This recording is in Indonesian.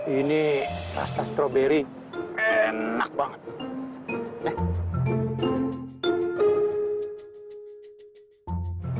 ini rasa stroberi enak banget